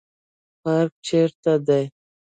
پارک چیرته دی؟